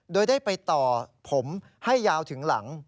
โดยได้ไปต่อผมให้ยาวถึงหลัง